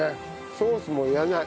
ソースもいらない。